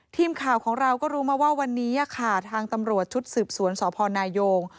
ทีมข่าวของเราก็รู้มาว่าวันนี้ค่ะทางตำรวจชุดสืบสวนสพนายง